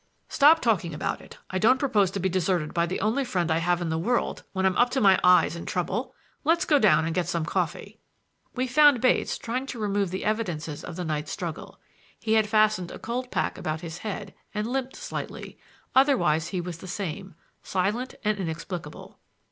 "Stop talking about it. I don't propose to be deserted by the only friend I have in the world when I'm up to my eyes in trouble. Let's go down and get some coffee." We found Bates trying to remove the evidences of the night's struggle. He had fastened a cold pack about his head and limped slightly; otherwise he was the same— silent and inexplicable.